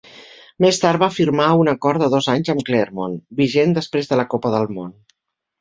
Més tard va firmar un acord de dos anys amb Clermont, vigent després de la Copa del Món.